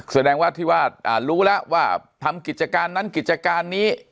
แสดงว่าที่ว่ารู้แล้วว่าทำกิจการนั้นกิจการนี้